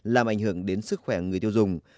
làm ảnh hưởng đến sức khỏe người tiêu dùng